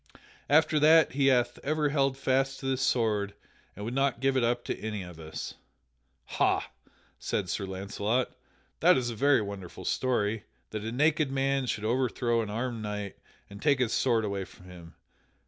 After that he hath ever held fast to this sword and would not give it up to any of us." "Ha!" said Sir Launcelot, "that is a very wonderful story, that a naked man should overthrow an armed knight and take his sword away from him.